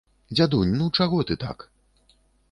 Дзядунь, ну чаго ты так?